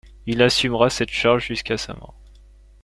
Il assumera cette charge jusqu'à sa mort.